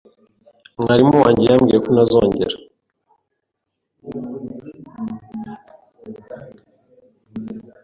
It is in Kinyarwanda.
Mwarimu wanjye yambwiye ko ntazongera.